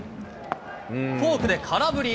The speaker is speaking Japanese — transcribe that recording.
フォークで空振り。